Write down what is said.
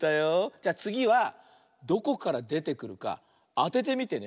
じゃあつぎはどこからでてくるかあててみてね。